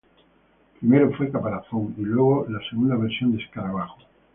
Primero fue Caparazón y luego la segunda versión de Escarabajo.